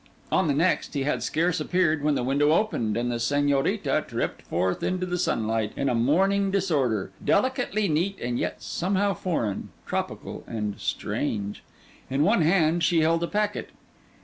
On the next, he had scarce appeared when the window opened, and the Señorita tripped forth into the sunlight, in a morning disorder, delicately neat, and yet somehow foreign, tropical, and strange. In one hand she held a packet.